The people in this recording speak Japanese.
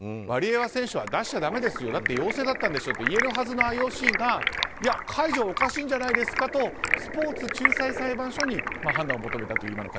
ワリエワ選手は出しちゃだめですよだって陽性だったんでしょと言えるはずのＩＯＣが、解除はおかしいんじゃないですかとスポーツ仲裁裁判所に判断を求めたという。